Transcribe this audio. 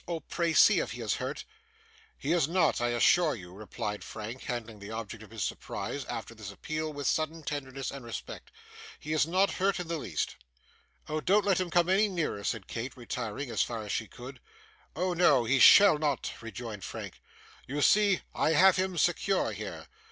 Oh, pray see if he is hurt.' 'He is not, I assure you,' replied Frank, handling the object of his surprise, after this appeal, with sudden tenderness and respect. 'He is not hurt in the least.' 'Don't let him come any nearer,' said Kate, retiring as far as she could. 'Oh, no, he shall not,' rejoined Frank. 'You see I have him secure here.